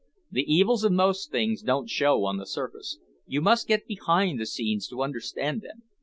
The evils of most things don't show on the surface. You must get behind the scenes to understand them.